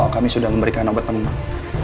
kami sudah memberikan obat teman pak